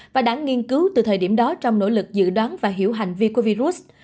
và đã nghiên cứu từ thời điểm đó trong nỗ lực dự đoán và hiểu hành vi của virus